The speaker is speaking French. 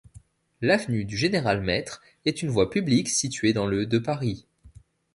L'avenue du Général-Maistre est une voie publique située dans le de Paris.